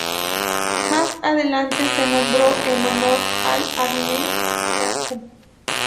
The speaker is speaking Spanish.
Más adelante se nombró en honor de Arne J. Aho.